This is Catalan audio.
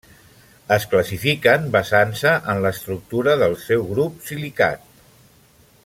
Es classifiquen basant-se en l'estructura del seu grup silicat.